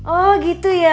oh gitu ya